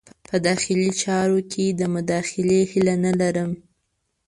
په داخلي چارو کې د مداخلې هیله نه لرم.